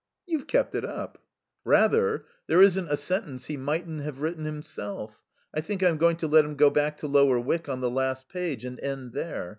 "You've kept it up?" "Rather. There isn't a sentence he mightn't have written himself. I think I'm going to let him go back to Lower Wyck on the last page and end there.